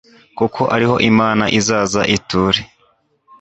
kuko ariho imana izaza iture